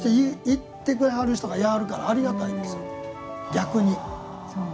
言ってくれる人がいはるからありがたいですよ、逆に。